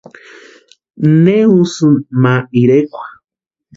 ¿Ne úsïni ma irekwa?